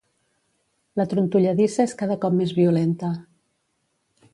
La trontolladissa és cada cop més violenta.